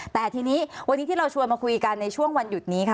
แต่ทีนี้วันนี้ที่เราชวนมาคุยกันในช่วงวันหยุดนี้ค่ะ